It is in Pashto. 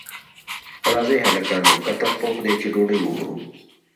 راځئ هلکانو کتغ پوخ دی چې ډوډۍ وخورو